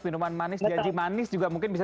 minuman manis gaji manis juga mungkin bisa